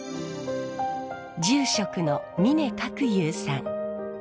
住職の峰覚雄さん。